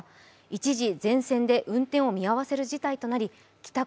一時、全線で運転を見合わせる事態となり帰宅